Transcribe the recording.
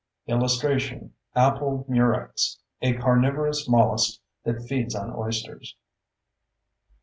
[Illustration: APPLE MUREX A carnivorous mollusk that feeds on oysters.